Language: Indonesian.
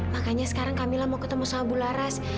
makanya sekarang kamila mau ketemu sama bu laras